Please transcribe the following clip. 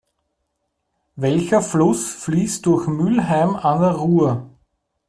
Welcher Fluss fließt durch Mülheim an der Ruhr?